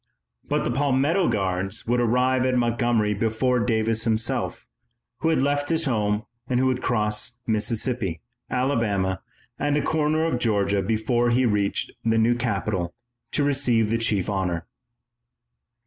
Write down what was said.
But the Palmetto Guards would arrive at Montgomery before Davis himself, who had left his home and who would cross Mississippi, Alabama, and a corner of Georgia before he reached the new capital to receive the chief honor.